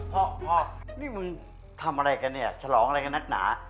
พ่อพ่อนี่มึงทำอะไรกันเนี่ยฉลองอะไรกันนักหนา